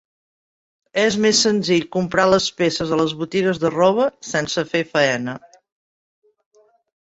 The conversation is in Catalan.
És més senzill comprar les peces a les botigues de roba, sense fer faena.